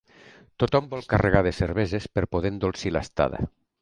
Tothom vol carregar de cerveses per poder endolcir l'estada.